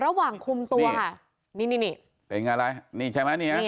ระหว่างคุมตัวค่ะนี่นี่เป็นอะไรนี่ใช่ไหมนี่ฮะ